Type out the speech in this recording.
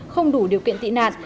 không đủ điều kiện tị nạn